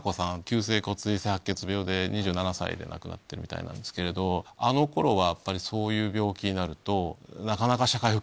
急性骨ずい性白血病で２７歳で亡くなっているみたいなんですけれどあの頃はやっぱりそういう病気になるとなかなか。